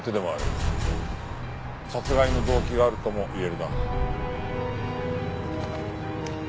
殺害の動機があるとも言えるな。